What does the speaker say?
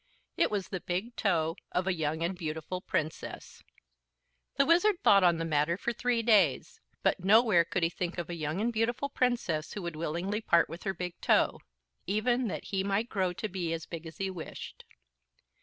It was the big toe of a young and beautiful princess. The Wizard thought on the matter for three days, but nowhere could he think of a young and beautiful princess who would willingly part with her big toe even that he might grow to be as big as he wished.